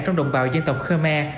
trong đồng bào dân tộc khmer